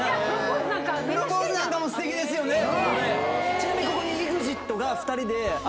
ちなみにここに。